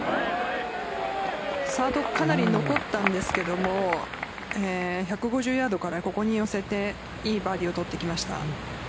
サード、かなり残ったんですが１５０ヤードからここに寄せていいバーディを取ってきました。